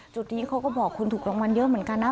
จุดนี้เขาก็บอกคนถูกรางวัลเยอะเหมือนกันนะ